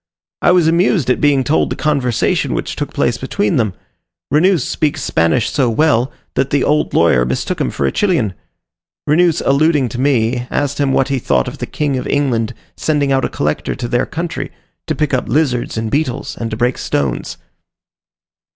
I was amused at being told the conversation which took place between them. Renous speaks Spanish so well, that the old lawyer mistook him for a Chilian. Renous alluding to me, asked him what he thought of the King of England sending out a collector to their country, to pick up lizards and beetles, and to break stones?